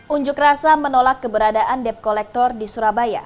unjuk rasa menolak keberadaan dep kolektor di surabaya